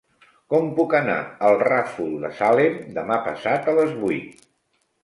Com puc anar al Ràfol de Salem demà passat a les vuit?